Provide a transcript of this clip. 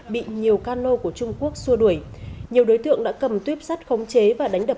bị nhiều cano của trung quốc xua đuổi nhiều đối tượng đã cầm tuyếp sắt khống chế và đánh đập